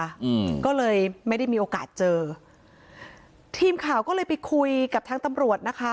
อืมก็เลยไม่ได้มีโอกาสเจอทีมข่าวก็เลยไปคุยกับทางตำรวจนะคะ